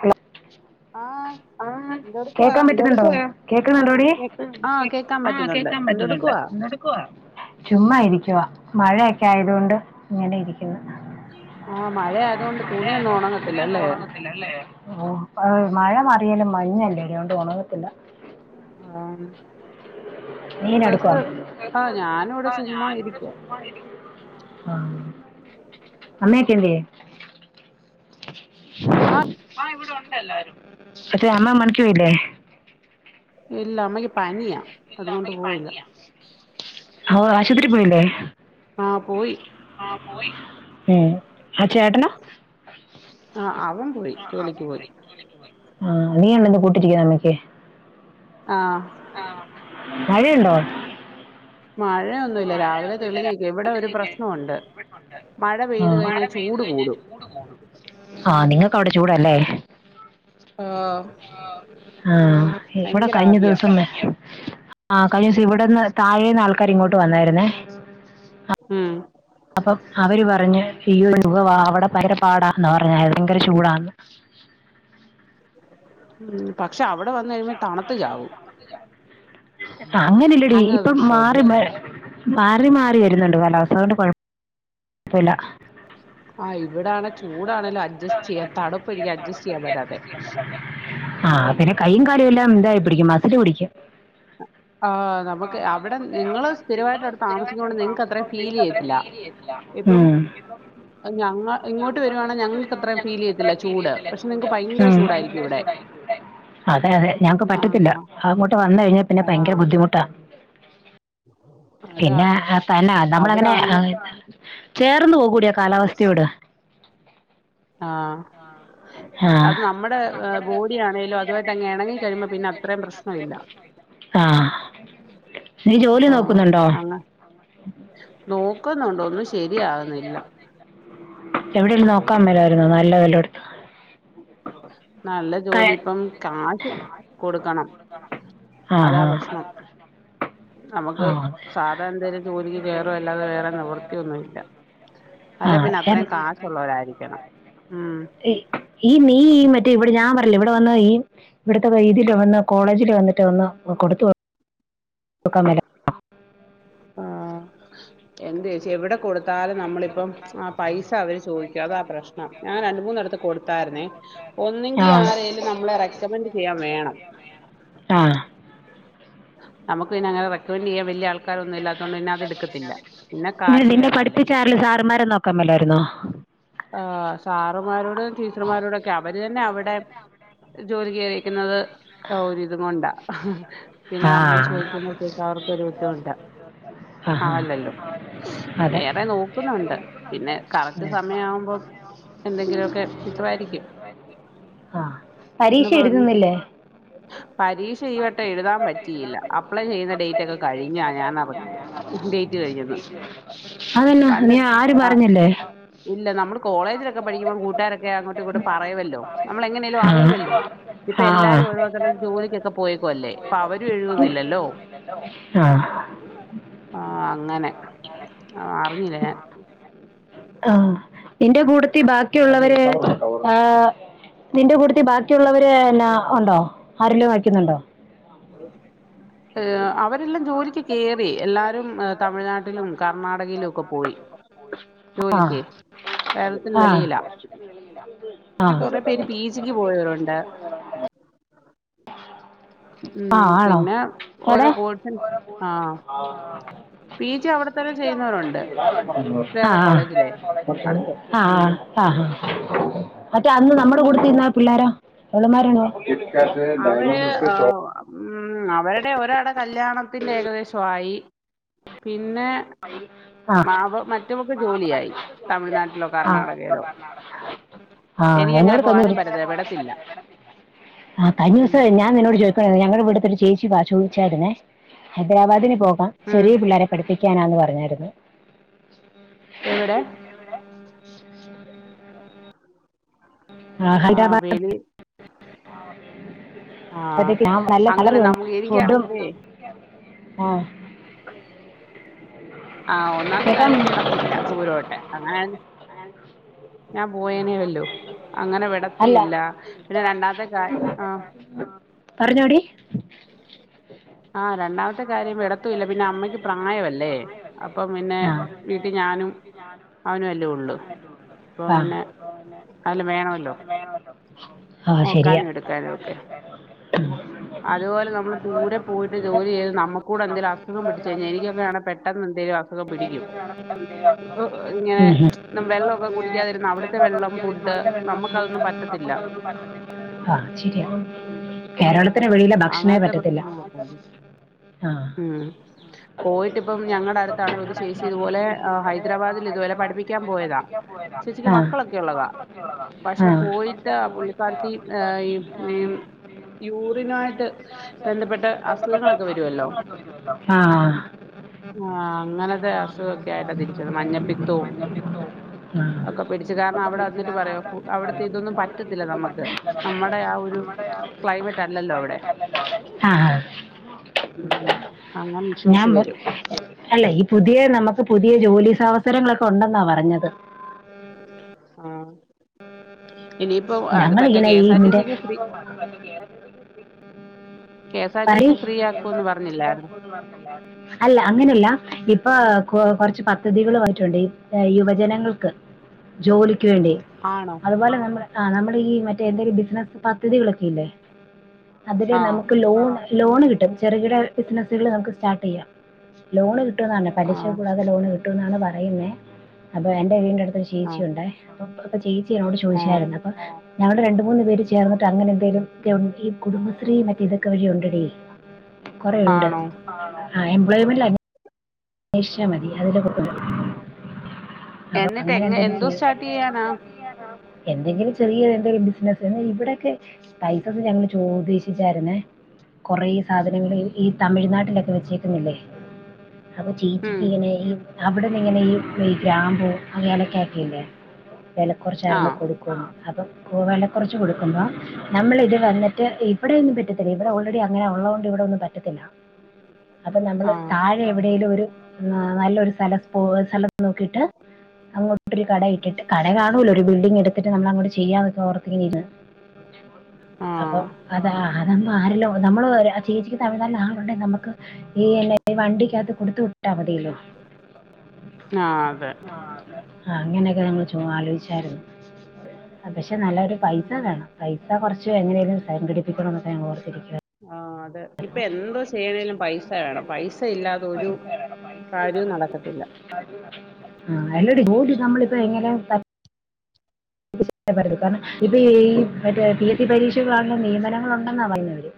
Hello ആഹ് ആ എന്തെടുക്കുവാ കേക്കാൻ പറ്റുന്നുണ്ടോ ആഹ് കേക്കുന്നുണ്ടോടി കേ ആഹ് കേക്കാൻ ആ പറ്റുന്നുണ്ട് കേക്കാൻ പറ്റുന്നുണ്ട് എന്തെടുക്കുവാ എന്തെടുക്കുവാ ചുമ്മാ ഇരിക്കുവാ മഴയക്കെ ആയതുകൊണ്ട് ഇങ്ങെനെ ഇരിക്ക്‌ന്ന് ആഹ് മഴയായതുകൊണ്ട് തുണിയൊന്നും മഴയാകുമ്പോൾ തുണി ഒന്ന് ഉണങ്ങത്തില്ലല്ലേ ഉണങ്ങത്തില്ല അല്ലേ മഴ മാറിയാലും മഞ്ഞല്ലേടി ടൊണ്ട് ഉണങ്ങത്തില്ല ആ [unintelligible] ഞാനിവിടെ ചുമ്മാ ഇരിക്കുവാ ചുമ്മാ തിരിക്കുവാ അമ്മേക്കെന്തെ ആഹ് ഇവിടെ ഉണ്ട എല്ലാരും അമ്മ [unintelligible] പോയില്ലേ ഇല്ല അമ്മക്ക് പനീയ ഇല്ല അമ്മക്ക് പനിയാ ഓ ആശുത്രി പോല്ലേ? ആഹ പോയി ഉം. ആ ചേട്ടനോ ആഹ അവൻ പോയി ജോലിക്ക് പോയി ആഹ് നീയന്ന് കൂട്ടിരിക്ക അമ്മക്ക് ആഹ് മഴയുണ്ടോ മഴയാ ഒന്ന് മഴ പെയ്ത് കഴിഞ്ഞാൽ ചൂട് കൂടും ആ നിങ്ങക്കവിടെ ചൂടാല്ലേ ങാ ങാ ഇവിടെ കഴിഞ്ഞ ആവിയാ ദിവസംമെച്ചു ആ കഴിഞ്ഞ ദിവസം ഇവിടെന്ന് താഴേന്ന് ആൾക്കാാര് ഇങ്ങോട്ട് വന്നായിന്നേ അപ് ഉം അപ്പൊ അവര് പറഞ്ഞ് ഈ ഒരു യുഗവാ അവിടെ പയങ്കരപ്പാടാന്നാ പറഞ്ഞ ഭയങ്കര ചൂടാന്ന് ഉം പ ഇപ്പം അങ്ങനില്ലടീ അങ്ങനെ ഒരു ഇപ്പം പ്രശ്നമുണ്ട് മാറി മേ മാറി മാറി വരുന്നുണ്ട് കാലാവസ്ഥ അതുകൊണ്ട് കുഴ പ്പല്ല [unintelligible] ആഹ് ഇവിടാണെ ചൂടാണേലും അഡ്ജസ്റ്റ് ചെയ്യാൻ തണുപ്പ് എനിക്ക് അഡ്ജസ്റ്റ് ചെയ്യാൻ പറ്റാത്തെ ആ പിന്നെ [unintelligible] ര് എല്ലാം ഇതായി പിടിക്കും മസ്ല് പിടിക്കും ആ് നമുക്ക് അവിടെ നിങ്ങള് സ്ഥിരമായിട്ട് അവിടെ താമസിക്കോണ്ട് നിങ്ങക്ക് അത്രയും ഫീൽ ചെയ്യത്തില്ല ഇപ്പം ഉം ഞങ്ങ ഇങ്ങോട്ട് വരുവാണെ ഞങ്ങൾക്ക് അത്രയും ഫീൽ ചെയ്യത്തില്ല ചൂട് പക്ഷെ നിങ്ങക്ക് ഭയങ്കര ചൂടായിരിക്കും ഇവിടെ അതെ അതെ ഞങ്ങക്ക് പറ്റത്തില്ല ആഹ് അങ്ങോട്ട് വന്നേ കഴി പിന്നെ ഭയങ്കര ആഹ് ബുദ്ധിമുട്ടാ അതാ പിന്നെ തന്നെ നമ്മള അങ്ങനെ അവിടാണെങ്കി ചേർന്ന് പോകൂടീ കാലാവസ്ഥയോട് ആഹ ആ അത് നമ്മുടെ ബോഡിയാണേലും അത്വായിട്ട് അങ്ങ് എണങ്ങിക്കഴിയുമ്പോ പിന്നെ അത്രയും പ്രശ്നം ഇല്ല ആ നീ ജോലി നോ അ നോ ഒക്കുന്നുണ്ട് ഒന്നും ശെ എവിടേലും നോക്കാൻ മേലാരുന്നോ നാ ല്ല വെല്ലടുത്തും നല്ല ജോലി ഇപ്പം കാശ് കൊടുക്കണം ആ അതാ ആ പ്രശ്നം ആ നമുക്ക് സാധാ എന്തേലും ജോലിക്ക് കേയറും അല്ലാതെ വേറെ നിവൃത്തിയൊന്നും ഇല്ല ആ അല്ലേ പിന്നെ എ- അത്രയും കാശൊള്ളവരായിരിക്കണം ഉം റ്റേ ഇവിടെ ഞാൻ പറഞ്ഞില്ലേ ഇവിടെ വന്ന് ഈ ഇവിടുത്തെ വൈതില് വന്ന് കോളേജില് വന്നിട്ട് ഒന്ന് കൊടുത്തു നോക്ക് [unintelligible] എന്ത് ഏച്ചി എവിടെ കൊടുത്താലും നമ്മളിപ്പം ആ പൈസ അവര് ചോദിക്കും അതാ പ്രശ്നം ഞാൻ രണ്ട് മൂന്നിടത്ത് കൊടുത്തായിരുന്നെ ആ ഒന്നങ്കി ആരേലും നമ്മളെ റെക്കമെന്റ് ചെയ്യാൻ വേണം ആ നമുക്ക് പിന്നെ അങ്ങനെ റെക്കമെന്റ് ചെയ്യാൻ വല്യ ആൾക്കാരൊന്നും ഇല്ലാത്തോണ്ട് പിന്ന അത് എടു നിന്നെ പഠിപ്പിച്ചാരെല്ല സാറന്മാരെ നോക് കമ്മലായിരുന്നോ ആ സാറുമാരോടും ടീച്ചർമാരോടൊക്കെ അവര് തന്നെ അവിടെ ജോലിക്കേറി ന്നത് ഓര് ഇതും കൊണ്ടാ ഹ് ഉം പിന്നെ ആ നമ്മള് ചോദിക്കുമ്പോഴത്തേക്കും അവർക്കൊരു ബുദ്ധിമുട്ടാ ആ ആ, ആവില്ലല്ലോ അതെ വേറെ നോക്കുന്നുണ്ട് പിന്നെ കറക്റ്റ് ഉം. സ കിട്ടുമായിരിക്കും ആ എന്ന് പരീക്ഷ പ്രതീക്ഷി എഴ്തന്നില്ലേ പരീക്ഷ ഈ വട്ടം എഴുതാൻ പറ്റിയില്ല അപ്ലൈ ചെയ്യുന്ന ഡേറ്റ് ഒക്കെ കഴിഞ്ഞാ ഞാൻ അറിഞ്ഞത് ഡേറ്റ് കഴിഞ്ഞെന്ന് അതെന്നാ പണ്ട് നീ ആരും ആഹ് പറഞ്ഞില്ലേ ഇല്ല നമ്മള് കോളേജിലൊക്കെ പഠിക്കുമ്പോ കൂട്ട്ക്കാരൊക്കെ അങ്ങോട്ടും ഇങ്ങോട്ട് പറയുവല്ലോ നമ്മൾ എങ്ങനെലും അറിയുവല്ലോ ഇപ്പ ആ ആ എല്ലാരും ഓരോത്തടത് ജോലിക്കൊക്കെ പോയേക്കുവല് പ്പവരും എഴുതുന്നില്ലല്ലോ ആ ആ അങ്ങനെ ആ അറിഞ്ഞില്ല ഞാൻ ആ ഇന്റെ കൂട്ടത്തി ബാക്കിയുള്ളവര് ആ നിന്റെ കൂട്ടത്തി ബാക്കിയുള്ളവര് എന്നാ ഉണ്ടോ ആരിലും വയ്ക്ക്ന്നുണ്ടോ ഏ അവരെല്ലാം ജോലി കേറി എല്ലാരും തമിഴ്നാട്ടി ട്ടിലും കർണാടകയിലും ഒക്കെ പോയി ആ ജോലിക്കേ കേരളത്തിന് ആ വെളിയില ആ പിന്നെ കൊറേ പേര് പീജിക്ക് പോയവരുണ്ട് ആ ഉം ആണോ പിന്നെ എവിടെ ഓരോ കോഴ്സിന് ആഹ് പി ജി അവിടെ തന്നെ ചെയ്യുന്നവരുണ്ട് അ വേറെ കോളേജിലേ അടുത്ത് ആ ഉം അ ആ ആ മറ്റേ അന്ന് നമ്മടെ കൂട്ടത്തിരുന്ന പിള്ളേരോ അവള്മാരണ്ടോ കിക്കാറ്റ് അവര് ഡയറിമിൽക് ആ, ഉം അവരുടെ ഒരാടെ കല്യാണത്തിന്റെ ഏകദേശം ആയി പി ആ ആ മറ്റവക്ക് ജോലിയായി തമിഴ്നാട്ടിലോ കർണാടകയിലോ ആ എനിക്കങ്ങനെ എന്നോട് കഴിഞ്ഞ പോകാനും പറ്റത്തില്ല വിടത്തില്ല ആ കഴിഞ്ഞ ഉം ദിവസെ ഞാൻ നിന്നോട് ചോദിക്കണ ഞങ്ങടിവടത്തൊരു ചേച്ചി പാ ചോദിചാരുന്നെ ഹൈദരാബാദന് പോകാം ഉം ചെറിയ പിള്ളേരെ പഠി ക്കാനാന്ന് പറഞ്ഞാരുന്നു ഉ എവിടെ പി [unintelligible] ആ വെലി ആ ഞാൻ നല്ല അങ്ങനെ കളറുണ്ട് നമുക്ക് ഫുഡും എനിക്കാണെങ്കിലേ ആ ആ ഒന്നാമത്തെ കേൾക്കാൻ കാര്യം വിടത്തില്ല ദൂരോട്ട് അങ്ങന ഞ പോയനേ വല്ലോ അങ്ങനെ വിടത്തു ഇല്ല പിന്നെ രണ്ടാത്തെ കാര് ആ പറഞ്ഞോടി ആ രണ്ടാമത്തെ കാര്യം വിടത്തുല്ല പിന്നെ അമ്മയ്ക്ക് പ്രായവല്ലേ അപ്പം പിന്നെ ആ വീട്ടി ഞാനും അവനും അല്ലേ ഒള്ളു അപ്പൊ പിന്നെ ആ ആലും വേണോമല്ലോ ആ ശരിയാ അതുപോലെ നമ്മൾ ദൂര പോയിട്ട് ജോലി ചെയ്ത് നമക്കൂടെന്തേലും അുസുഖം പിടിച്ച് കഴിഞ്ഞാ എനിക്കൊക്കെയാണെ പെട്ടെന്ന് എന്തേലും അസ് മ്മ് ഇങ്ങനെ നം വെള്ളമൊക്കെ കുടിക്കാതിരുന്ന അവിടുത്തെ വെള്ളം ഫുഡ് നമുക്കതൊന്നും പറ്റത്തില്ല ആ ശെരിയാ. ആഹ് [unintelligible] അങ്ങനത്തെ പ്രശ്നങ്ങളൊക്കാണ് ആ ഉം പോയിട്ടിപ്പം ഞങ്ങടെ അട് ഇതുപോലെ പഠിപ്പിക്കാൻ പോയതാ ചേച്ചിക്ക് മക്കളൊക്കെ ആ ഉള്ളതാ പക്ഷെ പോയിട്ട് പുള്ളിക്കാരത്തി ആ ത്ത്നായിട്ട് ബന്ധപ്പെട്ട അസുഖങ്ങളൊക്കെ വരുവല്ലോ ആ ആ അങ്ങനത്തെ അസുഖൊക്കെ ആയിട്ടാ തിരിച്ച് വന്നേ മഞ്ഞപ്പിത്തോം ആ ഒക്കെ പിടിച്ച്. കാരണം അവിടെ എന്നിട്ട് പറയാ അവിടുത്തെ ഇതൊന്നും പറ്റത്തില്ല നമക്ക് നമ്മടെ ആ ഒരു ക്ലൈമറ്റ് അല്ലല്ലോ അവിടെ ആഹ് ഉം അങ്ങനെ ഞാൻ ഇഷ്യൂസ് പ വരും അല്ല ഈ പുതിയ നമക്ക് പുതിയ ജോലി സ അവസരങ്ങളൊക്കെ ഉണ്ടെന്നാ പറഞ്ഞത്. ആ ഇനിയിപ്പോ അത് ഞങ്ങൾ പറ്റേ ഇങ്ങനെ കെ ഈ എസ് ആർ ടി ഇതിന്റെ സിക്ക് free K S R T C പറയ് ഫ്രീ ആക്കുംന്ന് പറഞ്ഞില്ലായിരുന്നോ അല്ല അങ്ങനെയല്ല ഇപ്പൊ കൊറച്ച് പ പദ്ധതികള് ആയിട്ടുണ്ട് യുവജനങ്ങൾക്ക് ജോലി ക്ക്‌ വേണ്ടി ആണോ അതുപോലെ നമ്മ നമ്മടെ ഈ മ എന്തെലും ബിസിനസ് പദ്ധതികളൊക്കെല്ലേ അതിലെ ആഹ് നമക്ക് ലോൺ ലോണ് കിട്ടും ചെറുകിട ബിസിനസുകൾ നമക്ക് സ്റ്റാർട്ട് ചെയ്യാം. ലോണ് കിട്ടുന്നതാണ് പലിശ ആഹ് കൂടാതെ ലോണ് കിട്ട ട്ടുന്നാണ് പറയുന്നേ. അപ്പൊ എന്റെ വീടിൻ്റെടു ത്ത ചേച്ചി ആഹ് ഉണ്ടേ അപ്പ്റത്ത ചേച്ചിയോട് ആഹ് ചോദിച്ചായിരുന്നു അപ്പൊ ഞങ്ങള് രണ്ടും മൂന്ന് പേര് ചേർന്ന്ട്ട് അങ്ങനെന്തേലും ഗെവൺ ഈ കുടുംബശ്രീ മറ്റേ ഇതൊക്കേ വഴിണ്ട് [unintelligible] കൊറേ ഉണ്ട് ആണോ ആ എംപ്ലോയ്യ്മെന്റില അന്വേഷിച്ച മതി അതില് കിട്ടും അപ്പൊ എന്നിട്ട് അങ്ങനെ എങ്ങ എന്തെങ്കിലും എന്തോ ചെയ്യ സ്റ്റാർട്ട് ചെയ്യാനാ എന്തെങ്കിലും ചെറിയ എന്തേലും ബിസ്നസ് ഇവിടെക്കെ സ്പൈസസ് ഞങ്ങള് ചോദിശ്ശിച്ചാര്ന്നേ. കൊറേ സാധനങ്ങള് ഈ ഈ തമിഴ്നാട്ടിലൊക്ക വെച്ചേക്കുന്നില്ലേ അപ്പൊ ഉം ചേച്ചിക്ക് എങ്ങനെ ഈ അവ്ടെ പിന്നെങ്ങെനെ ഇ ഈ ഗ്രാമ്പു അങ്ങേനെ കേറ്റീല്ലേ വെല ക്കൊറച്ചാരാണ്ടാ ആഹ് കൊടുക്കോന്ന്. അപ്പം പൂവെല കൊറച്ച് കൊടുക്കുമ്പം ഞമ്മള് ഇത് വന്നിട്ട് ഇവിടെന്നും പറ്റത്തില്ല. ഇവ്ട ഓൾറെഡി അങ്ങനെ ഒള്ളതുകൊണ്ട് ഇവിടെ ഒന്നും പറ്റത്തില്ല. അപ്പൊ നമ്മള് ആഹ് താഴെ ടേലൊര് ആ നല്ലൊരു സ്ഥലത്ത് പോവ് സ്ഥലം നോക്കീട്ട് അങ്ങോട്ടൊരു കട ഇട്ടിട്ട് കട കാണൂലോ ഒരു ബിൽഡിംഗ് എടുത്തിട്ട് നമ്മള് അങ്ങോട്ട് ചെയ്യാനക്ക ഓർത്തിങ്ങിര്ന്ന്. ആഹ് അപ്പം അതാ അതാണ് അ ആരെല്ലോ നമ്മള് അ ചേച്ചിക്ക് തമിഴ്നാടിനാ ആ ഒണ്ട് നമ്മ്ക്. നീ അല്ലേ വണ്ടി അത് കൊടുത്ത് വിട്ടാ മതിയല്ലോ ആഹ് അതെ ആ അങ്ങനെയൊക്കെ നങ്ങള് ചുമ്മാ ആലോചിച്ചാരുന്നു. അ പഷ് റ്റ് നല്ലൊരു പൈസ ഉം വേണം. പൈസ കൊറച്ച് എങ്ങനേലും സംഘടിപ്പിക്കണം എന്നൊക്കെ ഞങ്ങള് ഓർത്തിരിക്കാ ആഹ് അതെ ഇപ്പൊ എന്തോ ചെയ്യണേലും പൈസ വേണം പൈസ ഇല്ലാതെ ഒരു കാര്യവും നടക്കത്തില്ല ആ അല്ലടി ഗോൾഡിൽ നമ്മളിപ്പ എങ്ങനെ ത [unintelligible] കാരണം ഇപ്പ ഈ മറ്റേ പി എസ് സി പരീക്ഷകളാകണം നിയമനങ്ങൾ ഉണ്ടെന്നാ പറയുന്നവര്.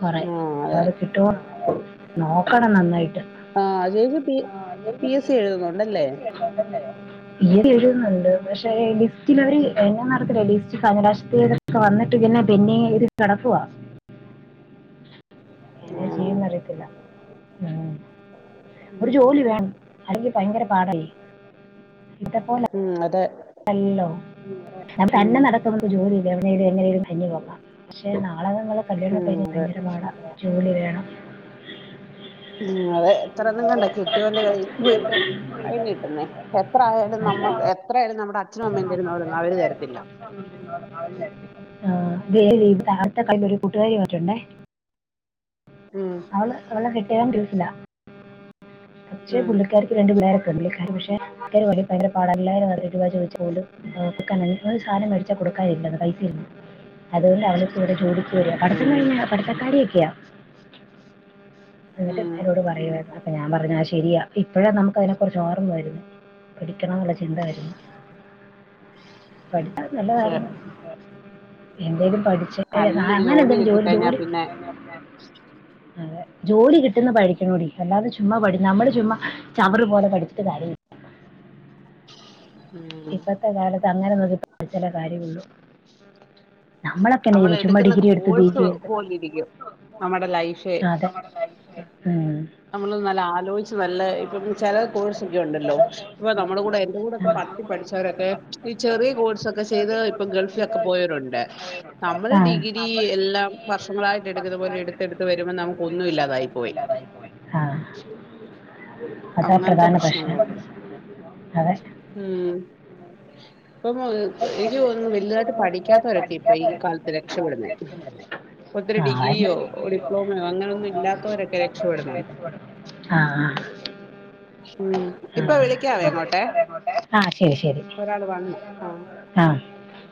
കുറെ ആ അപ്പൊ അതെ അത് കിട്ടുമോ നോക്കണം നന്നായിട്ട് ആഹ് ചേച്ചി പി പി എസ് സി എഴുതുന്നുണ്ടല്ലേ. പി എതി എഴുതുന്നൊണ്ട്. പഷ് പേയങ് ലിസ്റ്റിലൊര് അ മൂന്നവസര ഇല്ലി. [unintelligible] കാരണാറ്റ് പിന്ന പിന്നേ ഇത് കടക്കുവാ എന്നെ ആണോ ചെയ്യുന്നറിയത്തില്ല. മ് ഒരു ഉം ജോലി വേണം. അല്ലെങ്കി ഭയങ്കര പാടായി ഇത പോലെ ഉം അതെ അല്ലോ അത് ഉം തന്നെ നടത്തുന്നത് ജോലി ഇല്ലേ അവനേ ഇതെങ്ങനേലും ഹെന്നെ [unintelligible] പക്ഷേ നാ ഉം അതെ ജോലി വേണം ഉം അതെ എത്ര ണ്ണന്ന്ണ്ടാ കെട്ട്യോന്റെ കഴി ബോയിട്ട് അയ്ന് കിട്ട്ന്നെ. എത്ര ആയാലും നമ്മക്ക് എത്രയാലും നമ്മുടെ അ ആഹ് ത് [unintelligible] [unintelligible] ഒരു കൂട്ടുകാരി വന്ന്ട്ടുണ്ടേ ഉം അവള് അവളെ കെട്ടിയോൻ ഗൾഫിലാ പക്ഷേ ഉം പുള്ളിക്കാരിക്ക് രണ്ട് പിളേര [unintelligible] ഭയങ്കര പാടാ [unintelligible] [unintelligible] സാധനം മേടിച്ചാ കൊടുക്കാനില്ലെന്ന് പൈസന്ന് അതുകൊണ്ട് അവളിപ്പോ ഇവിടെ ജോലി [unintelligible] പഠിത്തം ഉം കഴിഞ്ഞ പഠിത്തകാര്യൊക്കെയാ എന്നിട്ട് ഉം എന്നോട് പറയുവായിരുന്നു അപ്പ ഞാൻ പറഞ്ഞ ആ ശ ശരിയാ ഇപ്പഴേ നമുക്ക് അയിനെ കുറിച്ച് ഓർമ്മ വരുന്ന പഠിക്കണം എന്നുള്ള ചിന്ത വരുന്ന പഠിച്ചാ അതെ നല്ലതായിരുന്നു എന്തേലും പഠിച്ച നല്ലൊരു അങ്ങനെ എന്തേലും ജോലി കിട്ടിക്കഴിഞ്ഞാ ജോലി പിന്നെ അതെ ജോലി കിട്ടുന്ന പഠിക്കണോഡി അല്ലാതെ ചുമ്മാ പഠി നമ്മള് ചുമാ ചവറ് പോലെ പഠിച്ചിട്ട് കാര്യമില്ല ഉം ഇപ്പത്തെ കാലത്ത് അങ്ങനെ ചില കാര്യമുള്ളൂ നമ്മളൊക്കെ തന്നെ നമ്മൾ ചെയ്തു ചുമ്മാ എടുക്കുന്ന ഡിഗ്രി എടുത്ത് പി കോഴ്സ് ജി എടുത്ത് പോലെ ഇരിക്കും നമ്മുടെ ലൈഫ് ആ, അതെ ഉം. നമ്മൾ നല്ല ആലോചിച്ച് നല്ല ഇപ്പം ചില കോഴ്സൊക്കെ ഉണ്ടല്ലോ ഇപ്പൊ നമ്മുടെ കൂടെ എന്റെറെ കൂടെക്കെ പത്തിൽ പഠിച്ച രൊക്കെ ഈ ചെറിയ കോഴ്സൊക്കെ ചെയ്ത് ഇപ്പൊ ഗൾഫിലൊക്കെ പോയവരുണ്ട് നമ്മള് ആ ഡിഗ്രി എല്ലാം വർഷങ്ങളായിട്ട് എടുക്കുന്ന പോലെ എടുത്തെടുത്ത് വരുമ്പോ നമുക്ക് ഒന്നും ഇല്ലാതായി പോയി അതാ അങ്ങനത്തെ പ്രധാന പ്രശ്ണം പ്രശ്നങ്ങളുണ്ട് അതെ ഉം ഇപ്പം അ എനിക്ക് തോന്നുന്നു വലുതായിട്ട് പഠിക്കാത്തവരൊക്കെ ഇപ്പൊ ഈ കാലത്ത് രക്ഷപ്പെടുന്നേ ഒത്തിരി ഡിഗ്രിയോ ഡിപ്ലോമയോ അങ്ങനൊന്നും ഇല്ലാത്തവരൊക്കെ രക്ഷപ്പെടുന്നുണ്ട് ആ ഉം ആ ഇപ്പൊ വിളിക്കാവേ അങ്ങോട്ടെ ഒരാൾ വന്ന് ആ അ